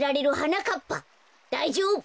だいじょうぶ！